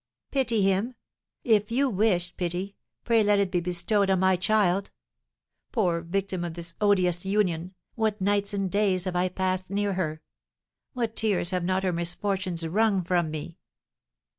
"Pity him? If you wish pity, pray let it be bestowed on my child. Poor victim of this odious union, what nights and days have I passed near her! What tears have not her misfortunes wrung from me!"